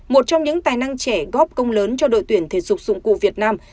một trong những tài năng trẻ góp công lớn cho đội tuyển thể dục dụng cụ việt nam